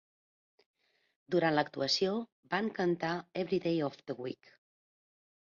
Durant l'actuació van cantar "Every Day of the Week".